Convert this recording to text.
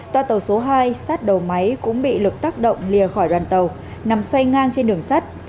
toa tàu số hai sát đầu máy cũng bị lực tác động lìa khỏi đoàn tàu nằm xoay ngang trên đường sắt